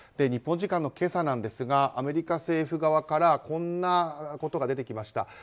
日本時間の今朝ですがアメリカ政府側からこんなことが出てきました。